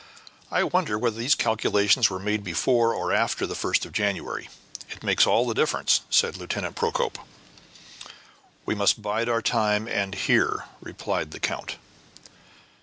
"I wonder whether these calculations were made before or after the 1st of January; it makes all the difference," said Lieutenant Procope. "We must bide our time and hear," replied the count.